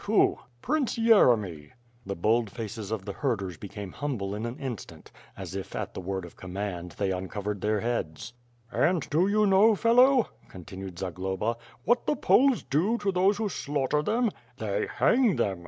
Who?" "Prince Yeremy." The bold faces of the herders became humble in an in stant; as if at the word of command, they uncovered their heads. "And do you know, fellow," continued Zagloba, "what the Poles do to those who slaughter them? They hang them.